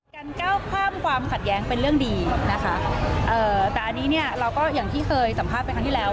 ก้าวข้ามความขัดแย้งเป็นเรื่องดีนะคะเอ่อแต่อันนี้เนี่ยเราก็อย่างที่เคยสัมภาษณ์ไปครั้งที่แล้ว